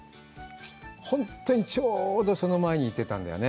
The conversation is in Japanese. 本当にちょうどその前に行ってたんだよね。